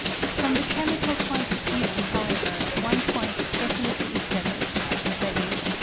From the chemical point of view, however, one point is definitely established: — i.e.